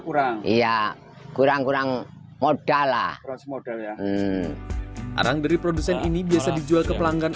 kurang iya kurang kurang modal lah modalnya arang dari produsen ini biasa dijual ke pelanggan